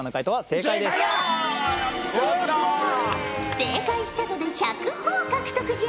正解したので１００ほぉ獲得じゃ。